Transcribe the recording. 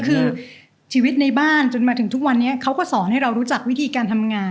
คือชีวิตในบ้านจนมาถึงทุกวันนี้เขาก็สอนให้เรารู้จักวิธีการทำงาน